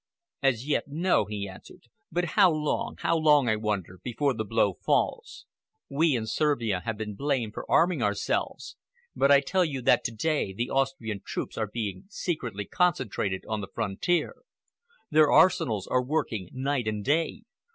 "As yet, no!" he answered. "But how long—how long, I wonder—before the blow falls? We in Servia have been blamed for arming ourselves, but I tell you that to day the Austrian troops are being secretly concentrated on the frontier. Their arsenals are working night and day.